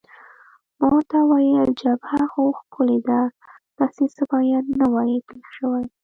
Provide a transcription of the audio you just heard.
ما ورته وویل: جبهه خو ښکلې ده، داسې څه باید نه وای پېښ شوي.